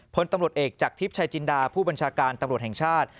พลตำรวจเอกจากทิพย์ชายจินดาผู้บัญชาการตำรวจแห่งชาติ